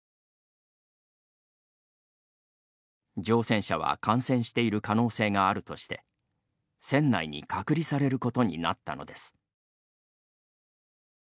乗船者は感染している可能性があるとして船内に隔離されることになったのです。